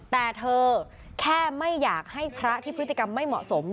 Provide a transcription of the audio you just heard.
แต่เธอแค่ไม่อยากให้พระที่พฤติกรรมไม่เหมาะสม